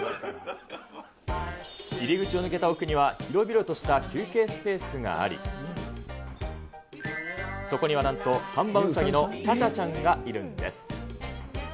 入り口を抜けた奥には、広々とした休憩スペースがあり、そこにはなんと、看板ウサギの茶々ちゃんがいるんです。